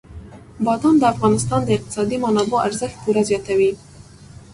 بادام د افغانستان د اقتصادي منابعو ارزښت پوره زیاتوي.